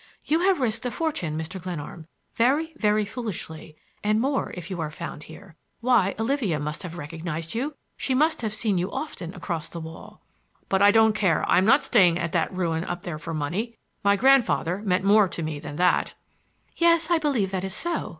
"You have risked a fortune, Mr. Glenarm, very, very foolishly,—and more—if you are found here. Why, Olivia must have recognized you! She must have seen you often across the wall." "But I don't care—I'm not staying at that ruin up there for money. My grandfather meant more to me than that—" "Yes; I believe that is so.